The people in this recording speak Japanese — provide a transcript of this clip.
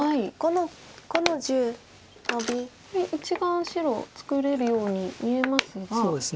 これ１眼白作れるように見えますが。